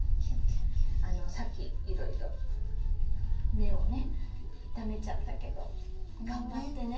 さっきいろいろ根を傷めちゃったけど頑張ってねって。